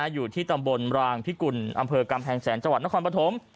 อยู่ที่ตำบลรางพิกุลอำเภอกำแพงแสนจังหวัดนครปฐม